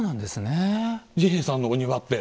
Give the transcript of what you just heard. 治兵衛さんのお庭って。